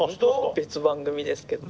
別番組ですけど。